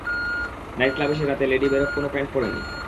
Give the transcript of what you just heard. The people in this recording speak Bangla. নাইটক্লাবে সে রাতে লেডি ব্যারক কোনও প্যান্টি পড়েনি!